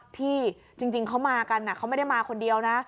พี่จริงเขามากันเขาไม่ได้มาคนเดียวนะ